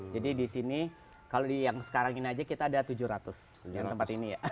jadi di sini kalau yang sekarang ini aja kita ada tujuh ratus